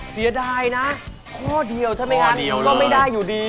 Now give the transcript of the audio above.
เสียดายนะข้อเดียวใช่ไหมครับก็ไม่ได้อยู่ดี